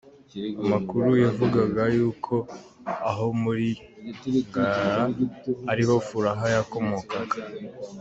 Amakuru yavugaga yuko aho muri Ngara ariho Furaha yakomokaga.